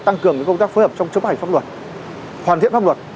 tăng cường những công tác phối hợp trong chống hành pháp luật hoàn thiện pháp luật